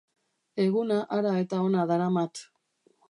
Eguna hara eta hona daramat.